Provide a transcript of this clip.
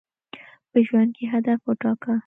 په ژوند کي هدف وټاکه.